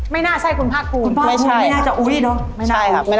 ไม่น่าใช่คุณพ่ากูม